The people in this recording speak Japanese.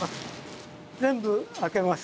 全部空けます。